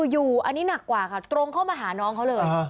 อยู่อันนี้หนักกว่าค่ะตรงเข้ามาหาน้องเขาเลย